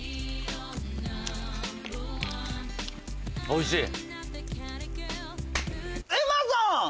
おいしい？